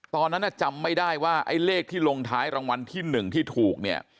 ตอนนั้นจำไม่ได้ว่าไอ้เลขที่ลงท้ายรางวัลที่๑ที่ถูกเนี่ย